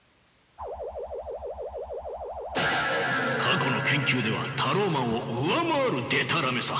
過去の研究ではタローマンを上回るでたらめさ。